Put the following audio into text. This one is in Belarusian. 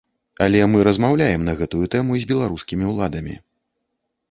Але мы размаўляем на гэтую тэму з беларускімі ўладамі.